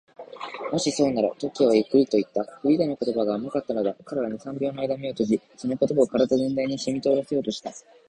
「もしそうなら」と、Ｋ はゆっくりといった。フリーダの言葉が甘かったのだ。彼は二、三秒のあいだ眼を閉じ、その言葉を身体全体にしみとおらせようとした。